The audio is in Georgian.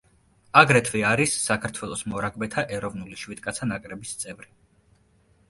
აგრეთვე არის საქართველოს მორაგბეთა ეროვნული შვიდკაცა ნაკრების წევრი.